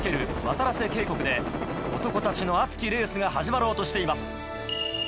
わたらせ渓谷で男たちの熱きレースが始まろうとしています。